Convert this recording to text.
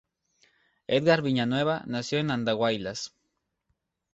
Edgar Villanueva nació en Andahuaylas.